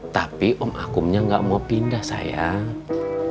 tapi om akumnya gak mau pindah sayang